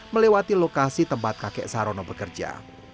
melewati lokasi tempat kakek sarono bekerja